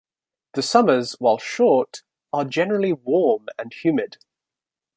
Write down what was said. The summers, while short, are generally warm and humid.